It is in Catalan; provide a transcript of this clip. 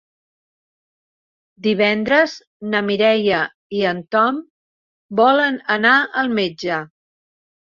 Divendres na Mireia i en Tom volen anar al metge.